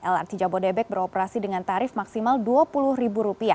lrt jabodebek beroperasi dengan tarif maksimal rp dua puluh